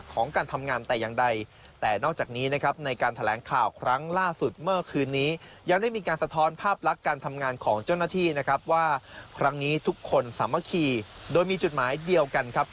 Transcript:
คงไม่ได้ตามความราวสนครับ